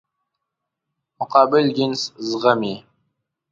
مقابل جنس زغمي.